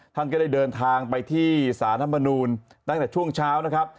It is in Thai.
ท่านก็ได้เดินทางไปที่สารธรรมนูลตั้งแต่ช่วงเช้านะครับ